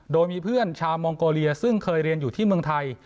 โดยมีเพื่อนชาวมองโกเลียซึ่งเคยเรียนอยู่ที่เมืองไทย